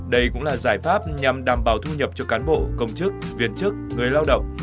đây cũng là giải pháp nhằm đảm bảo thu nhập cho cán bộ công chức viên chức người lao động